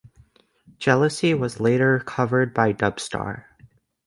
Jealousy was later covered by Dubstar.